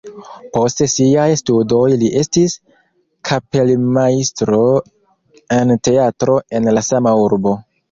Post siaj studoj li estis kapelmajstro en teatro en la sama urbo.